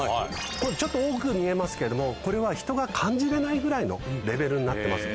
これちょっと多く見えますけどもこれは人が感じれないぐらいのレベルになってます。